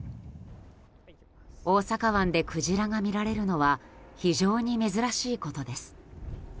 大阪湾でクジラが見られるのは非常に珍しいことです。